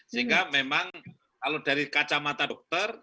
sehingga memang kalau dari kacamata dokter